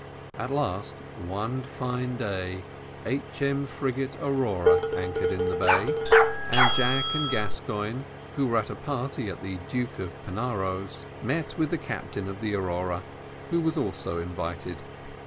At last, one fine day, H.M. frigate Aurora anchored in the bay, and Jack and Gascoigne, who were at a party at the Duke of Pentaro's, met with the captain of the Aurora, who was also invited.